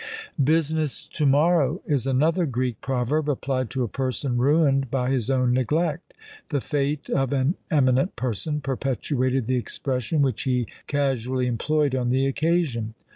"Business to morrow!" is another Greek proverb, applied to a person ruined by his own neglect. The fate of an eminent person perpetuated the expression which he casually employed on the occasion.